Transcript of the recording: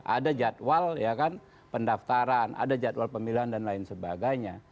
ada jadwal pendaftaran ada jadwal pemilihan dan lain sebagainya